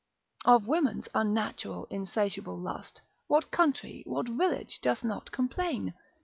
Of women's unnatural, insatiable lust, what country, what village doth not complain?